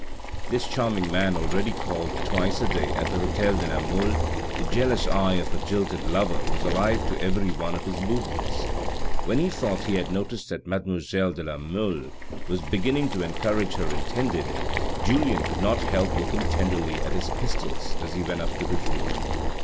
This charming man already called twice a day at the hdtel de la Mole; the jealous eye of a jilted lover was alive to every one of his movements. When he thought he had noticed that mademoiselle de la Mole was beginning to encourage her intended, Julien could not help looking tenderly at his pistols as he went up to his room.